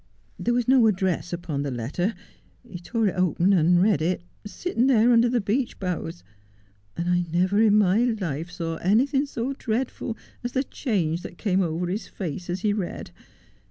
' There was no address upon the letter. He tore it open and read it, sitting there under the beech boughs ; and I never in my life saw anything so dreadful as the change that came over his face as he read.